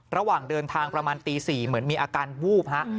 ระหว่างเดินทางประมาณตี๔เหมือนมีอาการวูบฮะ